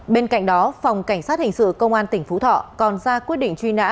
bên cạnh đó phòng cảnh sát hình sự công an tỉnh phú thọ còn ra quyết định truy nã